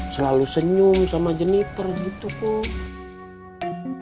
selalu senyum sama jeniper gitu kok